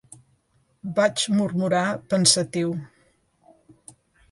Vaig murmurar pensatiu.